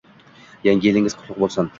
Yangi yilingiz qutlug’ bo'lsin!